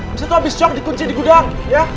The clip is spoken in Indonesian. bisa tuh abis shock dikunci di gudang ya